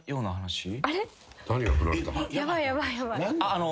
あの。